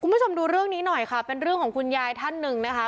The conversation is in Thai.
คุณผู้ชมดูเรื่องนี้หน่อยค่ะเป็นเรื่องของคุณยายท่านหนึ่งนะคะ